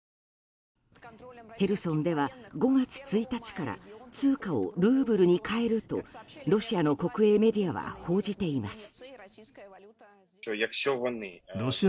ヘルソンでは、５月１日から通貨をルーブルに変えるとロシアの国営メディアは報じています。